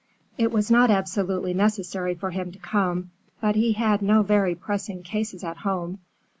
It was not absolutely necessary for him to come, but he had no very pressing cases at home.